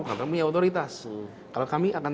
karena kami otoritas kalau kami akan